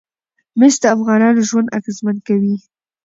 مس د افغانانو ژوند اغېزمن کوي.